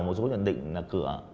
một số nhận định là cửa